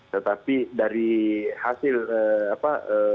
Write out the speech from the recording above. tetapi dari hasil apa